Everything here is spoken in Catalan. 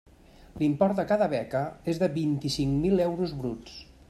L'import de cada beca és de vint-i-cinc mil euros bruts.